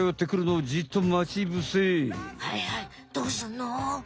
はいはいどうすんの？